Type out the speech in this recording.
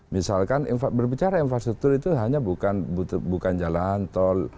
misalkan berbicara infrastruktur itu hanya bukan jalan tol